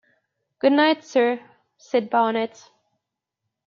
"Good night, sir," said Barnett.